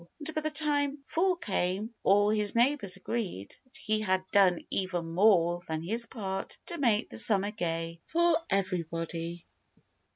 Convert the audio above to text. And by the time fall came all his neighbors agreed that he had done even more than his part to make the summer gay for everybody.